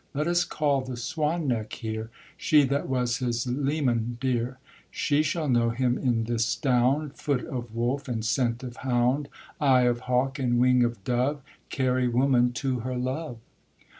Let us call the Swan neck here, She that was his leman dear; She shall know him in this stound; Foot of wolf, and scent of hound, Eye of hawk, and wing of dove, Carry woman to her love.'